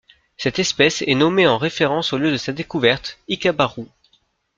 Cette espèce est nommée en référence au lieu de sa découverte, Icabarú.